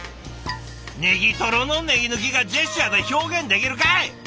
ネギトロのネギ抜きがジェスチャーで表現できるかい！